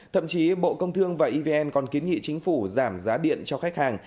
thậm chí bộ công thương và evn còn kiến nghị chính phủ giảm giá điện cho khách hàng